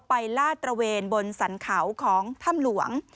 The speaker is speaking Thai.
ลาดตระเวนบนสรรเขาของถ้ำหลวง